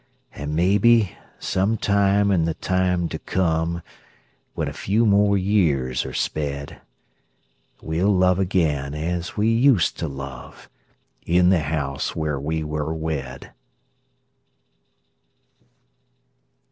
And maybe some time in the time to come, When a few more years are sped, We'll love again as we used to love, In the house where we were wed.